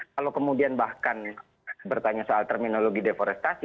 kalau kemudian bahkan bertanya soal terminologi deforestasi